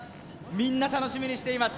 みんな楽しみにしています